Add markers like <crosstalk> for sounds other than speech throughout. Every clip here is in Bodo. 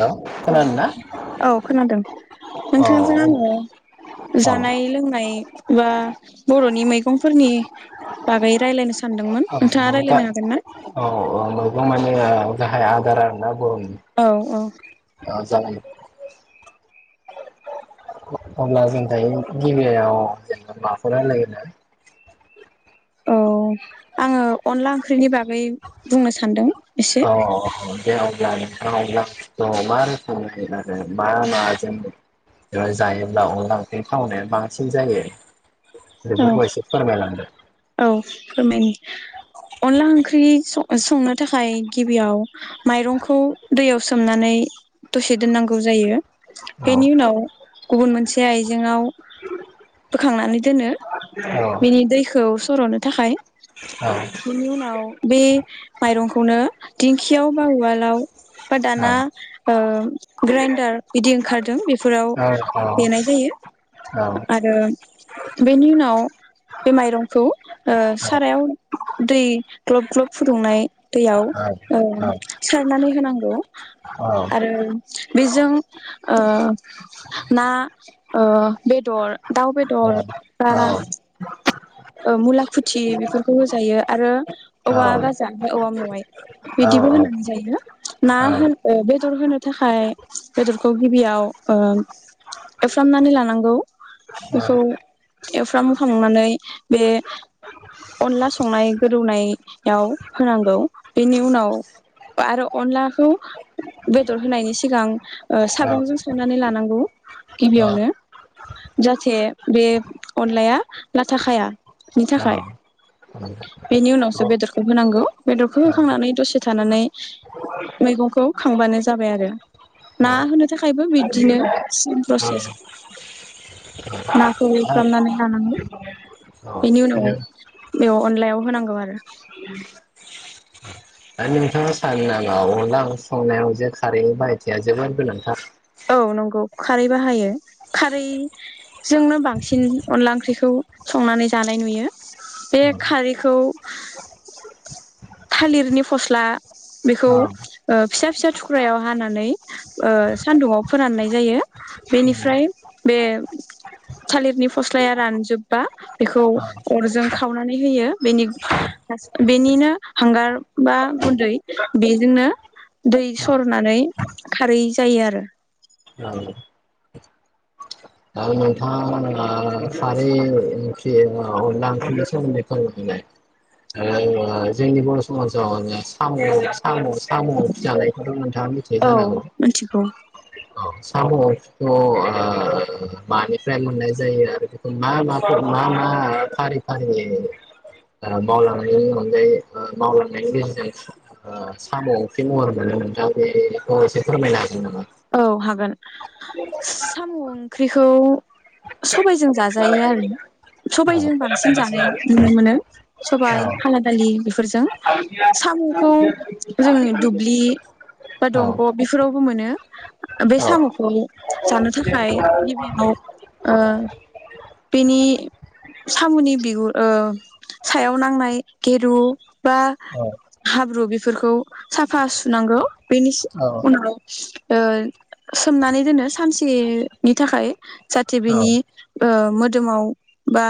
हेलौ औ- खोनादोंना औ खोनादों औ नोंथांजों आङो औ जानाय- लोंनाय बा बर'नि मैगंफोरनि <unintelligible> रायलायनोसो <unintelligible> औ -औ <unintelligible> <unintelligible> औ औ औ जागोन। अब्ला जों दायो गिबियाव जेनेबा माखौ रायलायग्रोनो? औ आङो अनला ओंख्रिनि बागै बुंनो सानदों। एसे औ। दे‌ अब्ला नोंथाङा <unintelligible> मा रोखोमै आरो मा माजों जायोब्ला अनला ओंख्रि थावनाया बांसिन जायो। औ <unintelligible> फोरमाय लांदो। औ फोरमायनि अनला ओंख्रि सं-संनो थाखाय गिबियाव माइरंखौ दैयाव सोमनानै दसे दोननांगौ जायो। औ बेनि उनाव गुबुन मोनसे आइजेंआव बोखांनानै दोनो। औ औ बिनि दैखौ सर'नो थाखाय बेनि उनाव बे माइरंखौनो दिंखियाव बा उवालाव बा दाना ओ ग्राइन्डार बिदि ओंखारदों बेफोराव औ देनाय जायो। औ आरो बेनि उनाव बे माइरंखौ ओ सारायाव दै ग्लब ग्लब फुदुंनाय दैयाव ओ सारनानै होनांगौ। औ आरो बेजों ओ ना ओ बेदर दाउ बेदर बा ओ मुला खुथि बेफोरखौ होजायो आरो औवा गाजा ओमफाय औवा मेवाइ बाय बिदिबो औ होनानै जायो ना औ होन बे दर होनो थाखाय बेदरखौ गिबियाव ओ एफ्रामनानै लानांगौ औ बेखौ एवफ्राम खांनानै बे अनला संनाय गोदौनायाव होनांगौ बेनि उनाव आरो अनलाखौ बेदर होनायनि सिगां ओ दा सागंजों सोनानै लानांगौ गिबियावनो। जाथे बे अनलाया लाथा खाया। बिनि थाखाय नोंथाङा बेनि उनावसो बेदरखौ होनांगौ। बेदरखौ होखांनानै दसे थानानै मैगंखौ खांबानो जाबाय आरो ना होनो थाखायबो बि दिनो सेम प्रसेस। नाखौ एवफ्रामनानै लानांगौ इनि उनाव बेयाव अनलायाव होनांगौ आरो। आरो नोंथाङा सानो नामा अनला ओंख्रि संनायाव जे खारै बाहायथिया जोबोद गोनांथार? औ नंगौ खारै बाहायो खारैजोंनो बांसिन अनला ओंख्रिखौ संनानै जानाय नुयो। बे खारैखौ थालिरनि फस्ला बेखौ ओ फिसा फिसा थुख्रायाव हानानै ओ सानदुंआव फोराननाय जायो बेनिफ्राय बे थालिरनि फस्लाया रानजोबबा बेखौ अरजों खावनानै होयो बेनि बेनिनो हांगार बा गुन्दै बेजोंनो दै सरनानै खारै जायो आरो। औ नोंथाङा खारै ओंख्रि आव अनला ओंख्रिनि सोमोन्दै फोरमाय खांबाय ओ जोंनि बर' समाजाव साम'-साम' <unintelligible> साम' ओंख्रि जानायखौथ' नोंथाङा मिथियो औ जानांगौ? मिथिगौ औ साम'खौथ' मानिफ्राय मोननाय जायो आरो मा मा फर्मुला मा फारि फारि मावलांनायनि अनगायै मावलांनायनि गेजेरजों साम' ओ ओंख्रि महर मोनो नोंथाङा बेखौ एसे फोरमायनो हागोन नामा? औ हागोन औ साम' ओंख्रिखौ सबायजों जाजायो आरो सबायजों बां सिन जानाय नुनो मोनो सबाय खाला दालि बेफोरजों साम'खौ जोङो दुब्लि बा दंग' बेफोरावबो मोनो बे औ साम'खौ जानो थाखाय गिबियाव ओ बेनि साम'नि बिगुर ओ सायाव नांनाय गेरु बा हाब्रु बेफोरखौ साफा सुनांगौ बेनि औ उनाव ओ सोमनानै दोनो सानसेनि थाखाय जाहाथे औ बिनि ओ मोदोमाव बा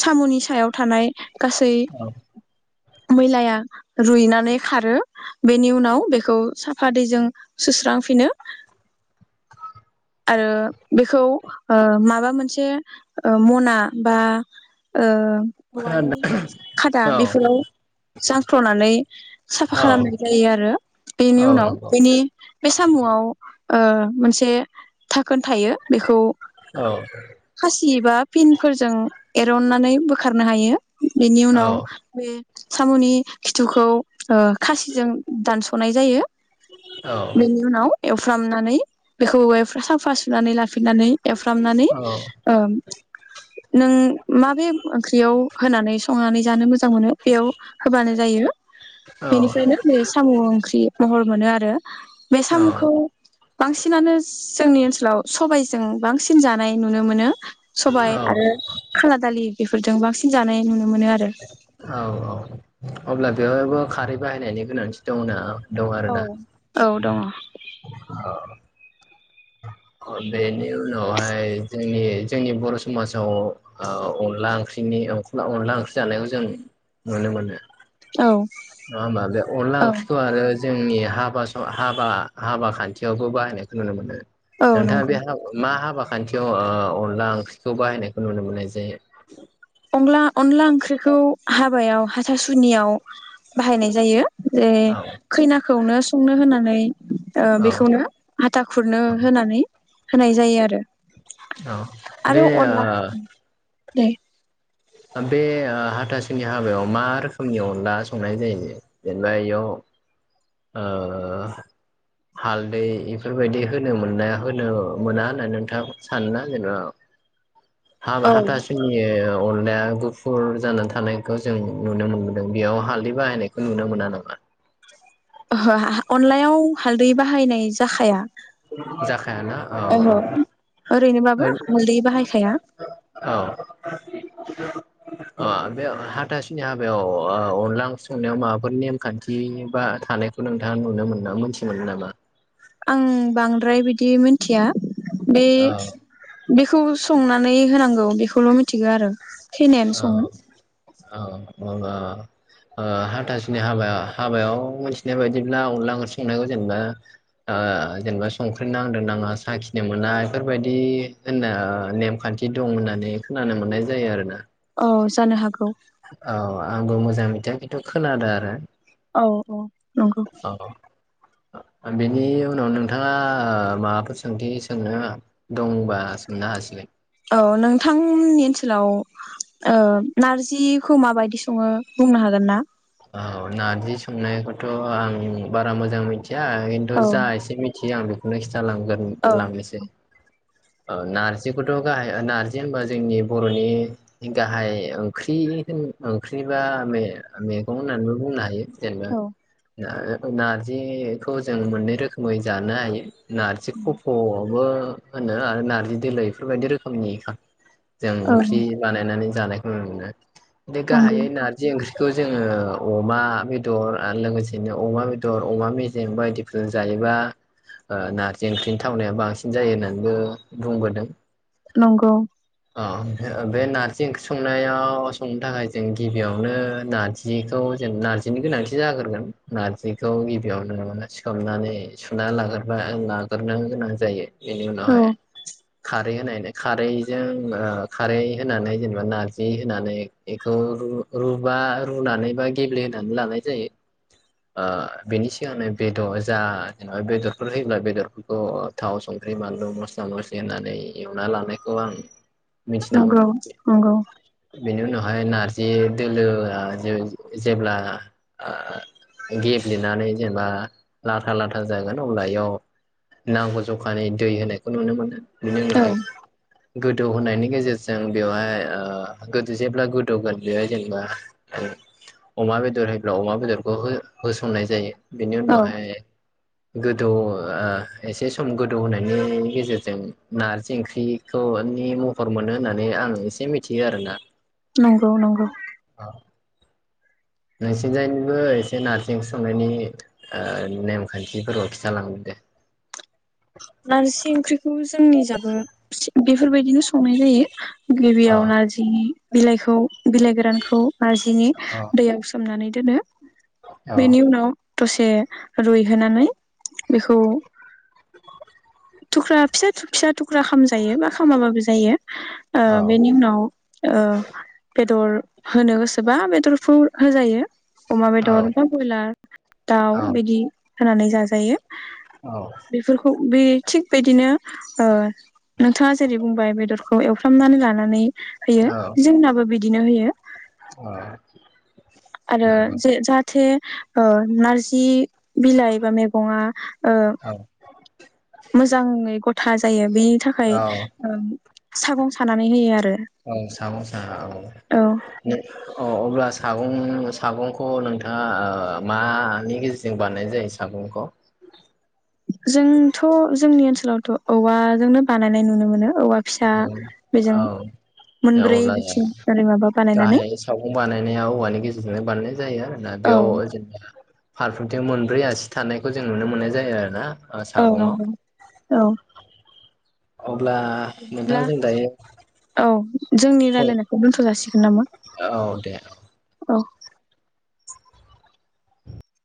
साम'नि सायाव थानाय गासै औ मैलाया रुइनानै खारो बेनि उनाव बेखौ साफा दैजों सुस्रांफिनो आरो बेखौ ओ माबा मोनसे मना बा ओ खोनादों औवानि खादा बेफोराव जांख्ल'नानै साफा खालामनाय जायो आरो बेनि उनाव बेनि बे साम'आव ओ मोनसे धाखोन थायो बेखौ औ। खासि एबा पिन फोरजों एरननानै बोखारनो हायो। बेनि औ उनाव बे साम'नि खिथुखौ खासिजों दानस'नाय जायो। औ बेनि उनाव एवफ्रामनानै बेखौ <unintelligible> साफा सुनानै लाफि फिननानै एवफ्रामनानै ओ नों माबे ओंख्रियाव होनानै संनानै जानो मोजां मोनो बेयाव होबानो जायो बेनिफ्रायनो बे साम' ओंख्रि महर मोनो आरो बे औ साम'खौ बांसिनानो जोंनि ओनसोलाव सबायजों बांसिन जानाय नुनो मोनो। सबाय औ आरो खाला दालि बेफोरजों बांसिन जानाय नु औ औ अब्ला बेयाव बो खारै बाहायनायनि गोनांथि दंङना? औ औ दङ। बेनि उनावहाय जोंनि जोंनि बर' समाजाव ओ अनला ओंख्रिनि अनला ओंख्रि जानायखौ जों नुनो मोनो। औ। नङा होनबा बे अनला औ ओंख्रिखौ आरो जोंनि हाबा स हाबा-हाबा खान्थियावबो बाहायनायखौ नुनो मोनो औ नोंथाङा नंगौ बे हाब मा हाबा खान्थियाव ओ अनला ओंख्रिखौ बाहायनायखौ नुनो मोननाय जायो अनला-अनला ओंख्रिखौ हाबायाव हाथासुनियाव बाहायनाय जायो। जे औ खैना- खौनो संनो होनानै ओ औ बेखौनो हाथा खुरनो होनानै होनाय जायो आरो औ बे आ द <inaudible> बे अ हाथासुनि हाबायाव मा रोखोमनि अनला संनाय जायो जेनेबा इयाव ओ हालदै इफोरबायदि होनो मोननाया होनो मोना होननानै नोंथाङा सानोना जेनेबा हाबा औ हाथासुनि अनलाया गुफुर जानानै थानायखौ जों नुनो मोनबोदों बेयाव हालदै बाहायनायखौ नुनो मोना नामा ओहो अनलायाव हालदै बाहायनाय जाखाया जाखायाना औ ओहो ओरैनोबाबो हालदै बाहायखाया औ अ बे हाथासुनि हाबायाव ओ-अनला ओंख्रि संनायाव माबाफोर नेमखान्थि बा थानायखौ नोंथाङा नुनो मोन मोनथि मोनो नामा आं बांद्राय बिदि मिनथिया बे बिखौ संना- नै होनांगौ बेखौल' मिथिगौ आरो खैनायानो सङो औ औ औ हाथासुनि हाबा-हाबायाव मिथिनाय बायदिब्ला अनला ओंख्रि संनायखौ जेनेबा अ जेनेबा संख्रि नांदों नाङा साखिनो मोना बेफोरबायदि होनना नेमखान्थि दं होननानै खोनानो मोननाय जायो आरोना औ जानो हागौ औ आंबो मोजां मिथिया खिन्थु खोनादों आरो औ औ नंगौ बिनि उनाव नोंथाङा माबाफोर सोंथि सोंनो दंबा सोंनो हासिगोन औ नोंथांमोननि ओनसोलाव ओ नारजिखौ मा बायदि सङो बुंनो हागोन ना औ नारजि संनायखौथ' आं बारा मोजां मिथि- या खिन्थु औ जा इसो मिथियो आं <inaudible> लांगोन औ लांनोसै औ नार्जिखौथ' गाहाय नार्जि होनबा जोंनि बर'नि गाहाय ओंख्रि-ओंख्रि बा मेगं होननानैबो बुंनो हायो। जेनबा औ ओ नारजिखौ जों मोननै रोखोमै जानो हायो नारजिखफ' बो <inaudible> होनो आरो नारजि दोलो इफोरबायदि रोखोमनि <unintelligible> जों औ ओंख्रि बानायनानै जानायखौ नुनो‌ मोनो। <unintelligible> गाहाय नंगौ नारजि ओंख्रि खौ जोङो अमा बेदर आरो लोगोसेनो अमा बेदर अमा मेजेम बायदिफोरजों जायोबा ओ नारजि ओंख्रिनि थावनाया बांसिन जायो नों बो बुंबोदों नंगौ अ <inaudible> बे नारजि ओंख्रि संनायाव संनो थाखाय जों गिबियावनो नारजिखौ <unintelligible> नारजिनि गोनांथि जाग्रोगोन नारजिखौ गिबियावनो सोमनानै सुना लाग्रोबा ओलाग्रोनो गोनां जायो। औ बेनिउनावहाय खा रै <unintelligible> खारजों ओ खारै होनानै जेनेबा नारजि होनानै एखौ रु रुबा रुनानै बा गेब्लेहोनानै लानाय जायो ओ बेनि सिगांनो बेद जा जेनबा बेदरफोर होयोब्ला बेदरफोरखौ थाव सं ख्रै बानलु मस्ला मस्लि होननानै एवना लानायखौ आं मिन्थिनामोन नंगौ नंगौ बेनिउनाव हाय नारजि दोलोआ जेव जेब्ला ओ गेब्लेनानै जेनेबा लाथा लाथा जागोन अब्ला इयाव नांगौ ज' खानि दै होनायखौ नुनो औ मोनो। <inaudible> गोदौ होनायनि गेजेरजों बेवहाय ओ गोदो जेब्ला गोदौगोन बेवहाय जेनेबा ओ अमा बेदर होयोब्ला अमा बेदरखौ हो होसननाय जायो। औ बेनिउनावहाय गोदौ ओ एसे सम गोदौ होनायनि गेजेरजों नारजि ओंख्रिखौनि महर मोनो होननानै आं एसे मिथियो आरोना। नंगौ नंगौ नोंसिनजायनिबो एसे नारजि ओंख्रि संनायनि ओ नेमखान्थिफोरखौ खिथालांदो दे। नारजि ओंख्रिखौबो जोंनि जाबो <unintelligible> बेफोरबायदिनो संनाय जायो। गिबियाव नारजि बिलाइखौ बिलाइ गोरानखौ नारजिनि दैयाव सोमनानै दोनो बेनिउनाव दसे रुयहोनानै बेखौ थुख्रा फिसा <unintelligible> फिसा थुख्रा खामजायो बा खामाबाबो जायो। ओ औ बेनिउनाव ओ बेदर होनो गोसोबा बेदरफोर होजायो अमा औ बेदर बा बयलार दाउ औ बिदि होनानै जाजायो औ बेफोरखौ बे थिगबायदिनो ओ नोंथाङा जेरै बुंबाय बेदरखौ एवफ्रामनानै लानानै होयो जोंनाबो बि बिदिनो होयो औ आरो नंगौ जे जाहाथे ओ नारजि बिलाइ बा मैगंआ ओ औ था जायो बेनि थाखाय औ ओ सागं सानानै होयो आरो औ सागं साहा औ औ अब्ला सागं सागंखौ नोंथाङा ओ मानि गेजेरजों बानायनाय जायो सागंखौ जोंथ' जोंनि ओनसो लावथ' औवाजोंनो बानायनाय नुनो मोनो। औवा फिसा औ बेजों औ मोनब्रै अब्ला बिथिं ओरै माबा बानायनानै गाहाय सागं बानायनाया औवानि गेजेरजोंनो बानायनाय जायो आरोना औ बेयाव जेनेबा फारफ्रोमथिं मोनब्रैआसि थानायखौ जों नुनो मोननाय जायो आरो ना। औ नंगौ औ अब्ला बिदिब्ला नोंथाङा जों दायो औ जोंनि रायलायनायखौ दोनथ' जासिगोन नामा? औ दे औ